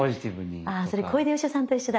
それ小出義雄さんと一緒だ。